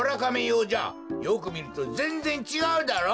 よくみるとぜんぜんちがうだろう！